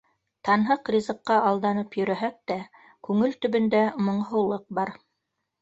Танһыҡ ризыҡҡа алданып йөрөһәк тә, күңел төбөндә моңһоулыҡ бар.